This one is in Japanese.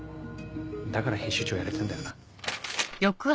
だから編集長やれてんだよな。